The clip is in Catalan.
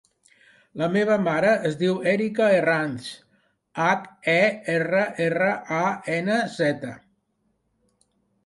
La meva mare es diu Erika Herranz: hac, e, erra, erra, a, ena, zeta.